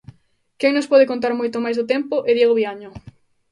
Quen nos pode contar moito máis do tempo é Diego Viaño.